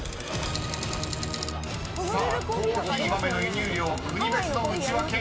［さあコーヒー豆の輸入量国別のウチワケ］